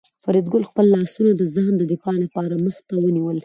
فریدګل خپل لاسونه د ځان د دفاع لپاره مخ ته ونیول